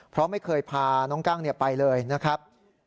เพราะไม่เคยพาน้องกั้งไปเลยนะครับ